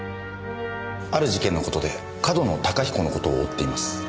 ある事件の事で上遠野隆彦の事を追っています。